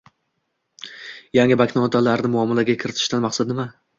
Yangi banknotalarni muomalaga kiritishdan maqsad nima?